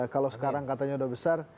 kalau sekarang katanya sudah besar